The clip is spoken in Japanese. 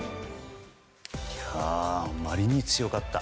あまりに強かった。